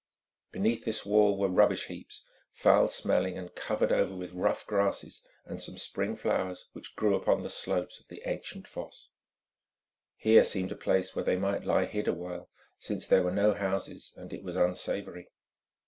Beneath this wall were rubbish heaps, foul smelling and covered over with rough grasses and some spring flowers, which grew upon the slopes of the ancient fosse. Here seemed a place where they might lie hid awhile, since there were no houses and it was unsavoury.